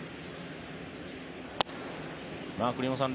栗山さん